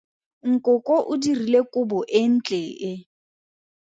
Nkoko o dirile kobo e ntle e.